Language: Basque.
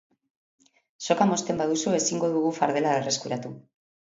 Soka mozten baduzu ezingo dugu fardela berreskuratu.